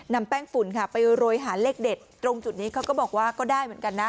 นำแป้งฝุ่นค่ะไปโรยหาเลขเด็ดตรงจุดนี้เขาก็บอกว่าก็ได้เหมือนกันนะ